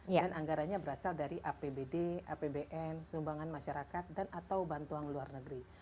dan anggaranya berasal dari apbd apbn sumbangan masyarakat dan atau bantuan luar negeri